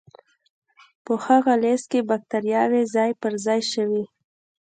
په هغه لست کې بکتریاوې ځای په ځای شوې.